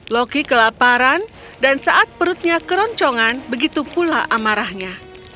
loki kelaparan dan saat perutnya keroncongan begitu pula amarahnya